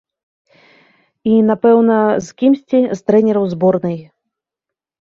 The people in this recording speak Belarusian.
І, напэўна, з кімсьці з трэнераў зборнай.